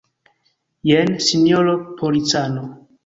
Jen, sinjoro policano.